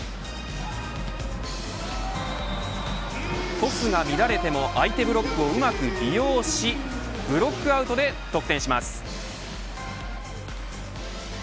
トスが乱れても相手ブロックをうまく利用しブロックアウトで得点します。